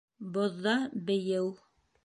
Боҙҙа бейеү